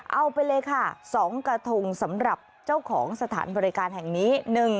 เอาไปเลยค่ะ๒กระทงสำหรับเจ้าของสถานบริการแห่งนี้